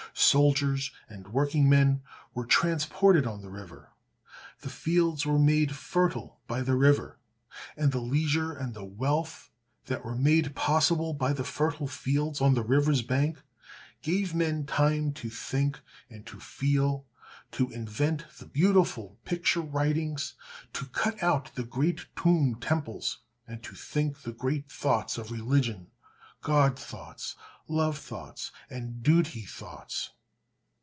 Soldiers and workingmen were transported on the river. The fields were made fertile by the river, and the leisure and the wealth that were made possible by the fertile fields on the river's bank gave men time to think and to feel, to invent the beautiful picture writings, to cut out the great tomb temples, and to think the great thoughts of religion, God thoughts, love thoughts, and duty thoughts.